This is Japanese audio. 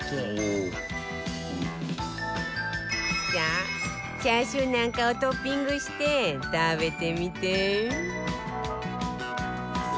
さあチャーシューなんかをトッピングして食べてみて